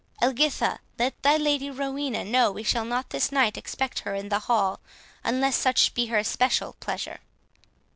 —Elgitha, let thy Lady Rowena, know we shall not this night expect her in the hall, unless such be her especial pleasure."